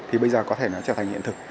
thì bây giờ có thể nó trở thành hiện thực